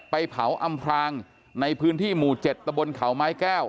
ไปเผาอำพรางในพื้นที่หมู่๗ตะบนเขาไม้แก้ว